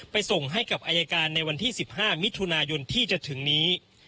ส่งให้กับอายการในวันที่๑๕มิถุนายนที่จะถึงนี้